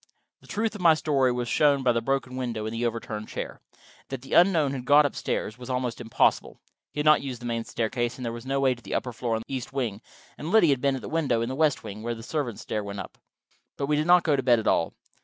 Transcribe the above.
The truth of my story was shown by the broken window and the overturned chair. That the unknown had got up stairs was almost impossible. He had not used the main staircase, there was no way to the upper floor in the east wing, and Liddy had been at the window, in the west wing, where the servants' stair went up. But we did not go to bed at all.